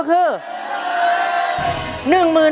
เท่าไหร่